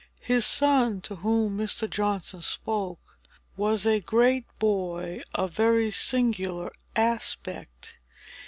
His son, to whom Mr. Johnson spoke, was a great boy of very singular aspect.